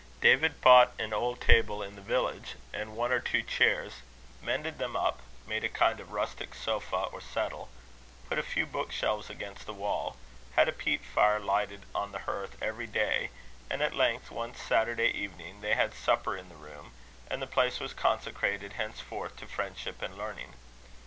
David bought an old table in the village, and one or two chairs; mended them up; made a kind of rustic sofa or settle; put a few bookshelves against the wall; had a peat fire lighted on the hearth every day; and at length, one Saturday evening, they had supper in the room, and the place was consecrated henceforth to friendship and learning.